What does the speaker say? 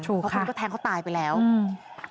เพราะคุณก็แทงเขาตายไปแล้วอืม